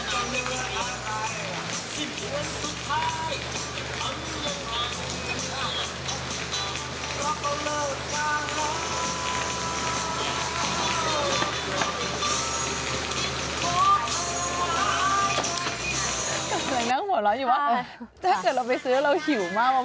ถ้าเกิดเราไปซื้อเราหิวมากพี่นุ่นอยู่แล้ว